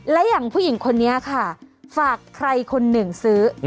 และอย่างผู้หญิงคนนี้ค่ะฝากใครคนหนึ่งซื้อ